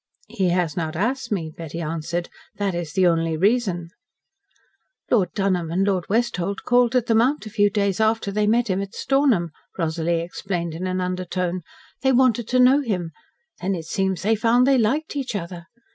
"He has not asked me," Betty answered. "That is the only reason." "Lord Dunholm and Lord Westholt called at the Mount a few days after they met him at Stornham," Rosalie explained in an undertone. "They wanted to know him. Then it seems they found they liked each other.